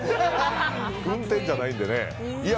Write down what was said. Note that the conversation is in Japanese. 運転じゃないんでね。